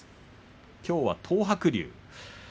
きょうは東白龍。